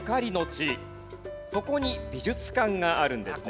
そこに美術館があるんですね。